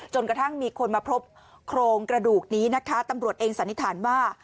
กระทั่งมีคนมาพบโครงกระดูกนี้นะคะตำรวจเองสันนิษฐานว่า